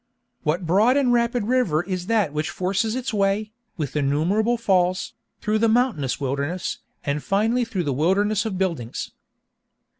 "What broad and rapid river is that which forces its way, with innumerable falls, through the mountainous wilderness, and finally through the wilderness of buildings?"